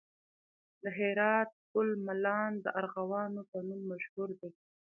د هرات پل مالان د ارغوانو په نوم مشهور دی